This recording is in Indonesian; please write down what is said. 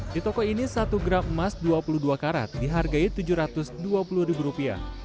di toko ini satu gram emas dua puluh dua karat dihargai rp tujuh ratus dua puluh